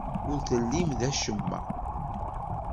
Ur tellim d acemma.